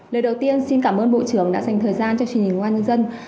lời đầu tiên xin cảm ơn bộ trưởng đã dành thời gian cho truyền hình công an nhân dân